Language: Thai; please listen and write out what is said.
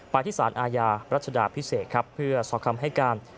ไปที่สารอาญารัชดาพิเศษครับเพื่อสอบคำให้การ